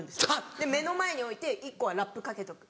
で目の前に置いて１個はラップかけとく。